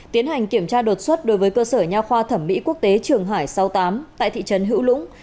tiến hành kiểm tra đột xuất đối với cơ sở nhà khoa thẩm mỹ quốc tế trường hải sáu mươi tám tại thị trấn hữu lũng